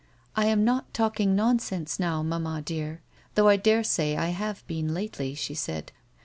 " I am not talking nonsense now, mamma dear, though 1 daresay I have been lately," she said.